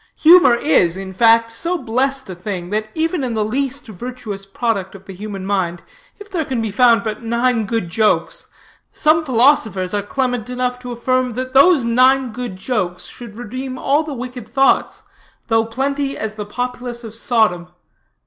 Humor is, in fact, so blessed a thing, that even in the least virtuous product of the human mind, if there can be found but nine good jokes, some philosophers are clement enough to affirm that those nine good jokes should redeem all the wicked thoughts, though plenty as the populace of Sodom.